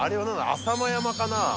浅間山かな？